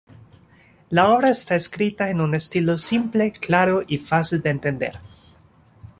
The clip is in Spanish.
La obra está escrita en un estilo simple, claro, y fácil de entender.